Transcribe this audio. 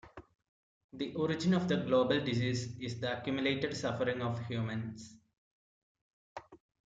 The origin of the global disease is the accumulated suffering of humans.